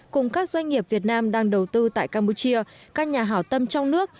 cùng các doanh nghiệp việt nam đang đầu tư tại campuchia các nhà hảo tâm trong nước